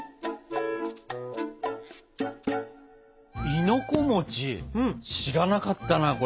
亥の子知らなかったなこれ。